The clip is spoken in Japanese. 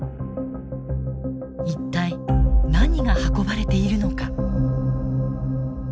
一体何が運ばれているのか？